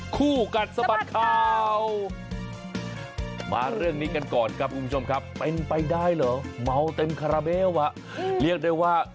คู่กันสบัดข่าว